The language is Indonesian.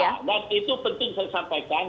ya dan itu penting saya sampaikan